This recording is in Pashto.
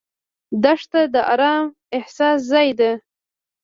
دښته د ارام احساس ځای ده.